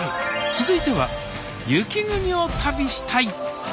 続いては「雪国を旅したい」。